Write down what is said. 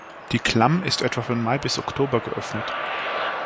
Die Klamm ist etwa von Mai bis Oktober geöffnet.